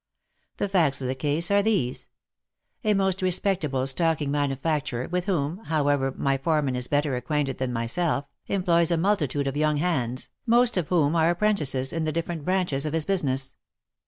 The facts of the case are these. A most respectable stocking manufac turer, with whom, however, my foreman is better acquainted than myself, employs a multitude of young hands, most of whom are ap prentices, in the different branches of his business.